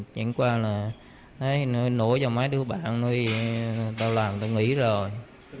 chẳng qua là nói cho mấy đứa bạn nói tao làm tao nghỉ rồi